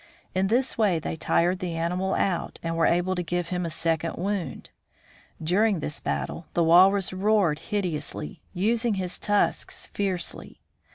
In this way they tired the animal out, and were able to give him a second wound. During this battle the walrus roared hideously, using his tusks fiercely.